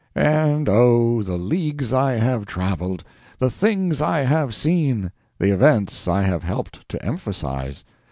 And oh, the leagues I have travelled! the things I have seen! the events I have helped to emphasise!